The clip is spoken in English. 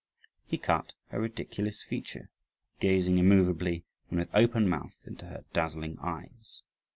He cut a ridiculous feature, gazing immovably, and with open mouth, into her dazzling eyes.